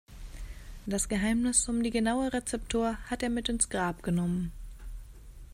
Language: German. Das Geheimnis um die genaue Rezeptur hat er mit ins Grab genommen.